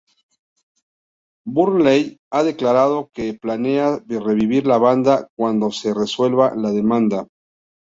Burnley ha declarado que planea revivir la banda cuando se resuelva la demanda.